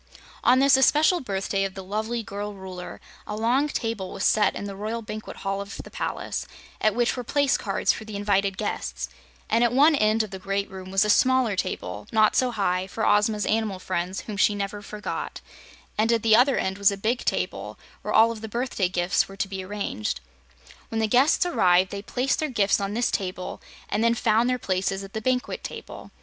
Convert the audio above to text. On this especial birthday of the lovely girl Ruler, a long table was set in the royal Banquet Hall of the palace, at which were place cards for the invited guests, and at one end of the great room was a smaller table, not so high, for Ozma's animal friends, whom she never forgot, and at the other end was a big table where all of the birthday gifts were to be arranged. When the guests arrived, they placed their gifts on this table and then found their places at the banquet table.